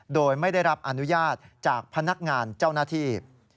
โดยไม่ได้รับอนุญาตจากพนักงานเจ้าหน้าที่